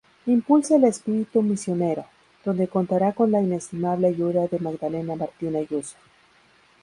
Impulsa el espíritu misionero, donde contará con la inestimable ayuda de Magdalena Martín Ayuso.